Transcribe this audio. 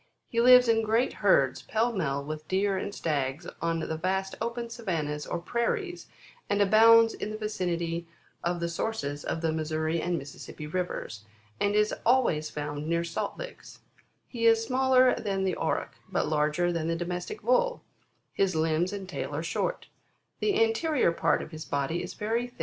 He lives in great herds, pell mell with deer and stags on the vast open savannas or prairies, and abounds in the vicinity of the sources of the Missouri and Missis sippi rivers, and is always found near salt licks. He is smaller than the Auroch, but larger than the domestic Bull. His limbs andtailare short. The anterior part of his body is very thick 12. Where is the Auroch found ? 13. What is the Buffalo? Whore is it found ?